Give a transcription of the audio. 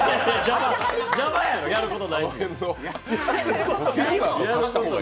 邪魔やろ、やることないし。